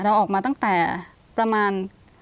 เราออกมาตั้งแต่ประมาณ